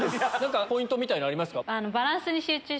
ポイントみたいなのありますか？